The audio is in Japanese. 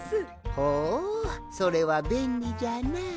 ほうそれはべんりじゃな。